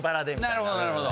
なるほどなるほど。